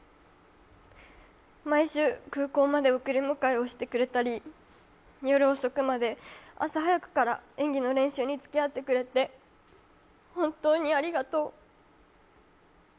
毎週、空港まで送り迎えをしてくれたり、夜遅くまで、朝早くから演技の練習につきあってくれて、本当にありがとう。